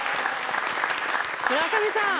村上さん